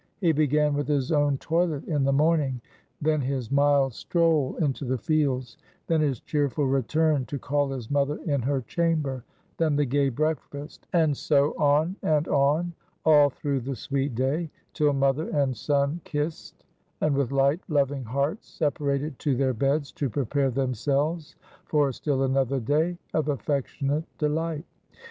He began with his own toilet in the morning; then his mild stroll into the fields; then his cheerful return to call his mother in her chamber; then the gay breakfast and so on, and on, all through the sweet day, till mother and son kissed, and with light, loving hearts separated to their beds, to prepare themselves for still another day of affectionate delight.